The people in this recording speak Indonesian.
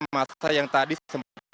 masa yang terjadi di dalam gedung dpr